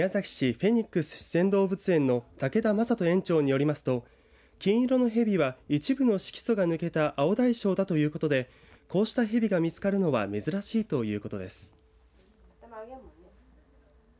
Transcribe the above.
フェニックス自然動物園の竹田正人園長によりますと金色のヘビは一部の色素が抜けたアオダイショウだということでこうしたヘビが見つかるのは珍しいということです。